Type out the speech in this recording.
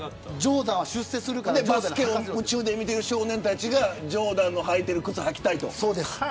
バスケを見ている少年たちがジョーダンの靴を履きたいと。